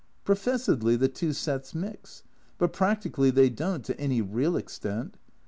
Professedly the two sets mix, but practically they don't to any real extent.